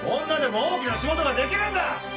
女でも大きな仕事ができるんだ！